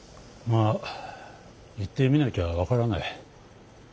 まあ行ってみなきゃ分からない。